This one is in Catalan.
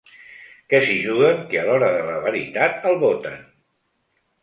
Què s’hi juguen que a l’hora de la veritat el voten?